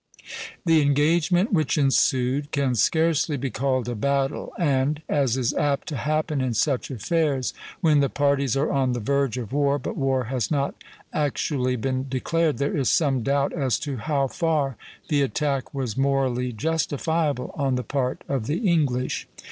The engagement which ensued can scarcely be called a battle, and, as is apt to happen in such affairs, when the parties are on the verge of war but war has not actually been declared, there is some doubt as to how far the attack was morally justifiable on the part of the English.